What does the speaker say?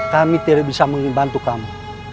kami tidak bisa membantu kamu